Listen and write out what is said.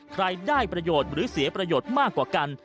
ได้ประโยชน์หรือเสียประโยชน์มากกว่ากัน